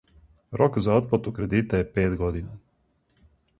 Рок за отплату кредита је пет година.